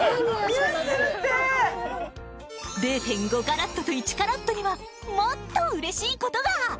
０．５カラットと１カラットにはもっとうれしいことが！